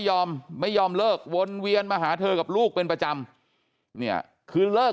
ไม่ยอมไม่ยอมเลิกวนเวียนมาหาเธอกับลูกเป็นประจำเนี่ยคือเลิก